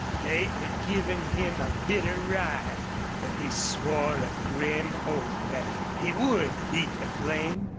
Fate had given him a bitter ride. But he swore a grim oath that he would beat the flame.